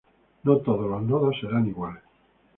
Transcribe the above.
No todos los nodos serán iguales.